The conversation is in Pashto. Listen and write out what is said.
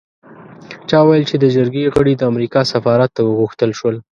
چا ویل چې د جرګې غړي د امریکا سفارت ته وغوښتل شول.